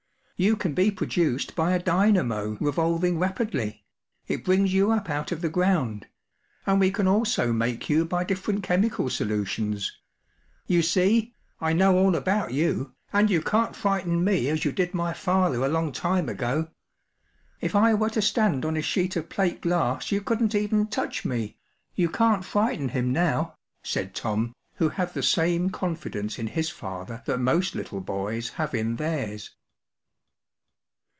You can be produced by a dynamo revolving rapidly ; it brings you up out of the ground, and we can also make you by different chemical solutions. "KdlS ’ilsee, 'I know all about UNIVERSITY OF MICHIGAN 688 THE STRAND MAGAZINE. you, and you can’t frighten me as you did my father a long time ago. If I were to stand on a sheet of plate glass you couldn’t even touch me. You can’t frighten him now,” said Tom, who had the same confidence in his, father that most little boys have in theirs.